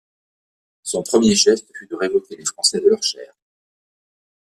Son premier geste fut de révoquer les Français de leurs chaires.